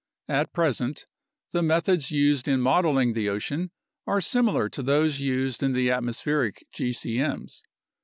At present, the methods used in modeling the ocean are similar to those used in the atmospheric gcm's.